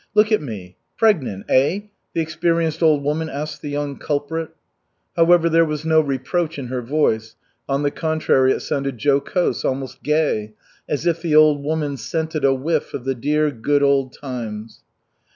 Look at me. Pregnant, eh?" the experienced old woman asked the young culprit. However, there was no reproach in her voice, on the contrary, it sounded jocose, almost gay, as if the old woman scented a whiff of the dear, good, old times.